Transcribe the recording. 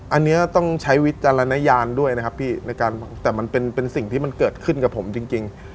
อันนี้ต้องใช้วิจารณญาณด้วยนะครับพี่ในการแต่มันเป็นสิ่งที่มันเกิดขึ้นกับผมจริง